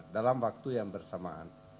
dalam waktu yang bersamaan